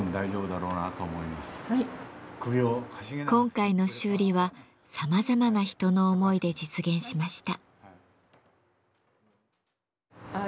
今回の修理はさまざまな人の思いで実現しました。